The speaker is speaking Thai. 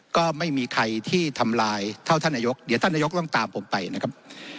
ก็ไม่มีใครที่ทำลายเท่าท่านนายกเดี๋ยวท่านนายกต้องตามผมไปนะครับ